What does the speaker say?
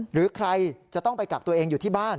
หรือใครจะต้องไปกักตัวเองอยู่ที่บ้าน